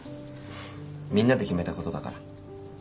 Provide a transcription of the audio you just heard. みんなで決めたことだから。